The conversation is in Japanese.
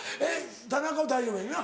田中は大丈夫やんな？